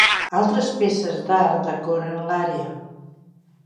Altres peces d"art decoren l"àrea.